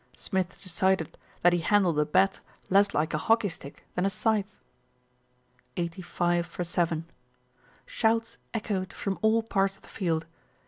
Smith decided that he handled a bat less like a hockey stick than a scythe. Eighty five for seven. Shouts echoed from all parts of the field.